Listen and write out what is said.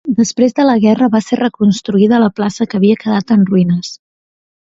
Després de la guerra va ser reconstruïda la plaça que havia quedat en ruïnes.